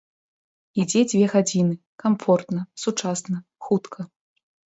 Ідзе дзве гадзіны, камфортна, сучасна, хутка.